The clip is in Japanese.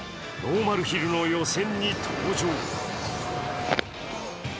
ノーマルヒルの予選に登場。